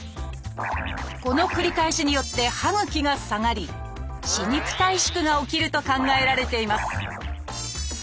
この繰り返しによって歯ぐきが下がり歯肉退縮が起きると考えられています